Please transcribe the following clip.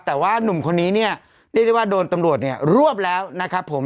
แต่ว่าหนุ่มคนนี้เนี่ยได้รับว่าโดนตำรวจรวบแล้วนะครับผม